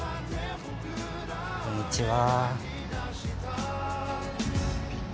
こんにちは。